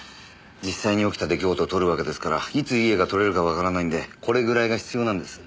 実際に起きた出来事を撮るわけですからいついい画が撮れるかわからないんでこれぐらいが必要なんです。